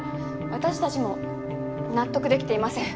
私たちも納得できていません。